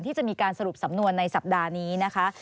ที่จะมีการสรุปสำนวนในสัปดาห์นี้นะคะ